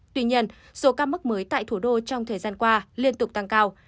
tuy nhiên số ca mắc mới tại thủ đô trong thời gian qua liên tục tăng cao